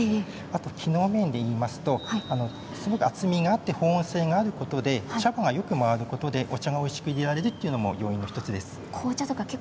機能面で言いますと厚みがあって保温性があるということで茶葉がよく回ることで、お茶をおいしくいれられるということも大きな要因です。